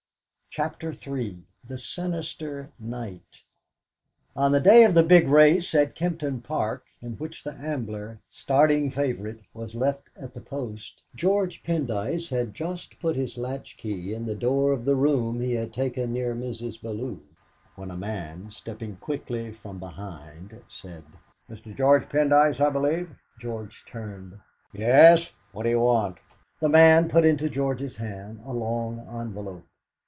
CHAPTER III THE SINISTER NIGHT On the day of the big race at Kempton Park, in which the Ambler, starting favourite, was left at the post, George Pendyce had just put his latch key in the door of the room he had taken near Mrs. Bellew, when a man, stepping quickly from behind, said: "Mr. George Pendyce, I believe." George turned. "Yes; what do you want?" The man put into George's hand a long envelope.